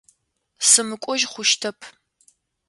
Сымыкӏожь хъущтэп.